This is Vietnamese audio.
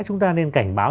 chúng ta nên cảnh báo